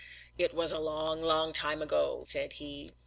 "It was long, long, long ago," said he.